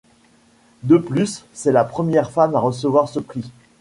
De plus c'est la première femme à recevoir ce prix.